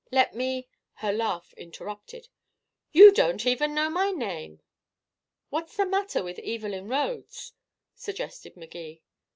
Let me " Her laugh interrupted. "You don't even know my name." "What's the matter with Evelyn Rhodes?" suggested Magee.